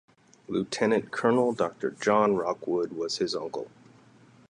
Lieutenant Colonel Dr John Rockwood was his uncle.